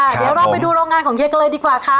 เดี๋ยวเราไปดูโรงงานของเย้กันเลยดีกว่าค่ะ